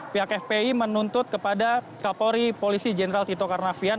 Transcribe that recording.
pihak fpi menuntut kepada kapolri polisi jenderal tito karnavian